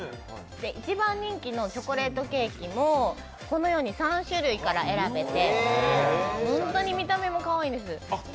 一番人気のチョコレートケーキもこのように３種類から選べて本当に見た目もかわいいんです